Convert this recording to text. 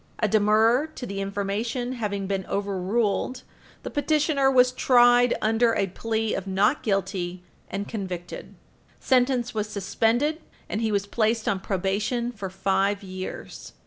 A demurrer to the information having been overruled, the petitioner was tried under a plea of not guilty, and convicted. Sentence was suspended, and he was placed on probation for five years.